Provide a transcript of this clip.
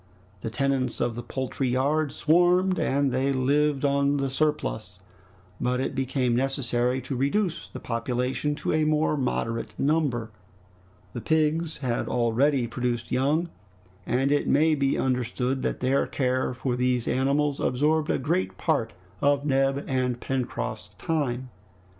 The tenants of the poultry yard swarmed, and they lived on the surplus, but it became necessary to reduce the population to a more moderate number. The pigs had already produced young, and it may be understood that their care for these animals absorbed a great part of Neb and Pencroft's time.